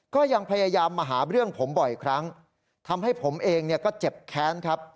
ก็ยังพยายามมาหาเรื่องผมบ่อยครั้งทำให้ผมเองเนี่ยก็เจ็บแค้นครับ